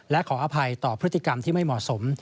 และขออภัยต่อพฤติกรรมที่ไม่เหมาะสม